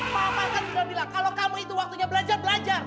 mama kan suka bilang kalau kamu itu waktunya belajar belajar